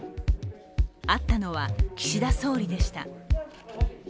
会ったのは岸田総理でした。